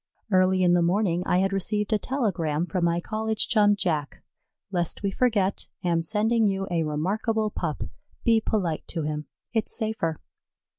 Early in the morning I had received a telegram from my college chum Jack: "Lest we forget. Am sending you a remarkable pup. Be polite to him; it's safer."